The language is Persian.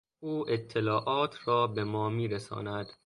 او اطلاعات را به ما میرساند.